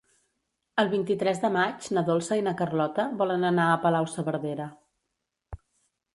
El vint-i-tres de maig na Dolça i na Carlota volen anar a Palau-saverdera.